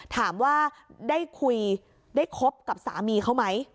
ถามว่าได้คุยได้คบกับสามีเขาไหม